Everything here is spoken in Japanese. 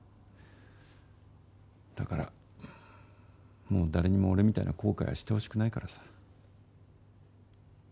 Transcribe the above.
だから、もう誰にも俺みたいな後悔はしてほしくないからさ。